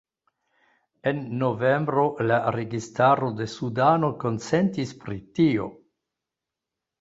En novembro la registaro de Sudano konsentis pri tio.